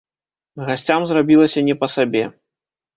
Гасцям зрабілася не па сабе.